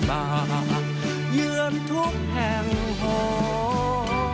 ถ่วยไทยทั่วหน้าน้ำตานองอนันทร์ส่งพ่อสู่ชั้นดูสิตาลัยค่ะ